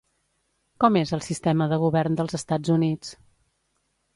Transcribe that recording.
Com és el sistema de govern dels Estats Units?